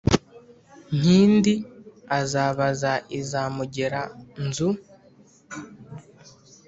nkindi azabaza iza mugera-nzu.